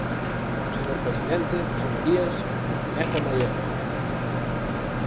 Señor presidente, señorías, nego a maior.